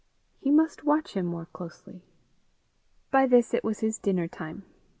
He must watch him more closely. By this it was his dinner time.